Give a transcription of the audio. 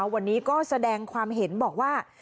วันนี้ก็แสดงความเห็นบอกว่า